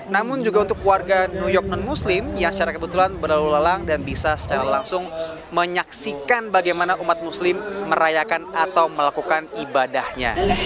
namun juga untuk warga new york non muslim yang secara kebetulan berlalu lalang dan bisa secara langsung menyaksikan bagaimana umat muslim merayakan atau melakukan ibadahnya